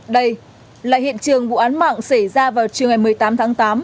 đây là hiện trường vụ án mạng xảy ra vào chiều ngày một mươi tám tháng tám